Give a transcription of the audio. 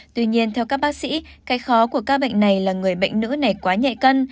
tuy nhiên theo các bác sĩ cách khó của các bệnh này là người bệnh nữ nẻ quá nhạy cân